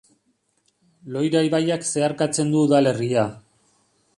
Loira ibaiak zeharkatzen du udalerria.